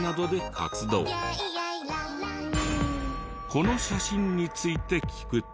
この写真について聞くと。